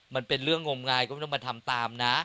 มันเป็นเรื่องงมงายก็ไม่ต้องมาทำตามนะ